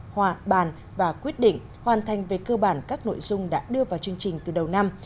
hòa bàn và quyết định hoàn thành về cơ bản các nội dung đã đưa vào chương trình từ đầu năm